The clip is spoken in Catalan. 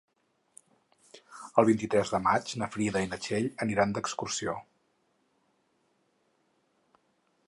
El vint-i-tres de maig na Frida i na Txell aniran d'excursió.